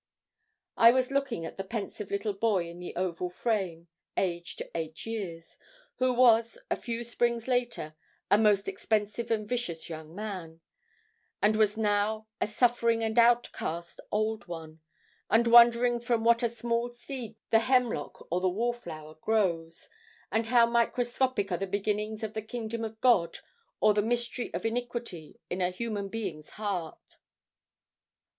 I was looking at the pensive little boy in the oval frame aged eight years who was, a few springs later, 'a most expensive and vicious young man,' and was now a suffering and outcast old one, and wondering from what a small seed the hemlock or the wallflower grows, and how microscopic are the beginnings of the kingdom of God or of the mystery of iniquity in a human being's heart.